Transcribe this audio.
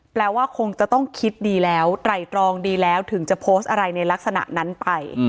แปลว่าคงจะต้องคิดดีแล้วไตรตรองดีแล้วถึงจะโพสต์อะไรในลักษณะนั้นไป